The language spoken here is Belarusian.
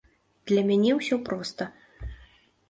Для мяне ўсё проста.